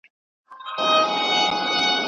عصر بدلیږي.